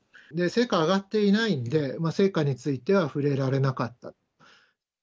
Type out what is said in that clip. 成果上がっていないんで、成果については触れられなかったと。